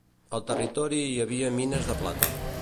Al territori hi havia mines de plata.